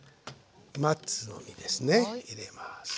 松の実ですね入れます。